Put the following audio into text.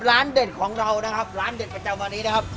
เด่นของเรานะครับร้านเด็ดประจำวันนี้นะครับ